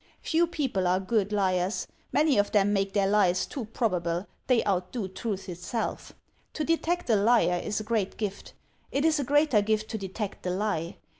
Few people are good liars. Many of them make their lies too probable; they outdo truth itself. To EVIDENCE 275 detect a liar is a great gift. It is a greater gift to detect the lie.